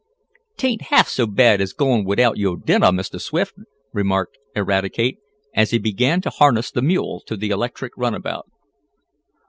"'Tain't half so bad as goin' widout yo' dinnah, Mistah Swift!" remarked Eradicate, as he began to harness the mule to the electric runabout.